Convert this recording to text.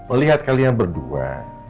oh lihat kalian berdua